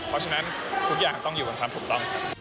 เพราะฉะนั้นทุกอย่างต้องอยู่บนความถูกต้อง